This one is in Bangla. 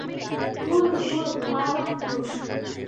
ভুল, ভুল, ভয়ানক ভুল!